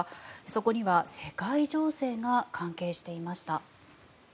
そこには世界情勢が関係していました。